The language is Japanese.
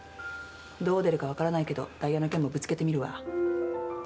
どう出るか分からないけどダイヤの件もぶつけてみるわ。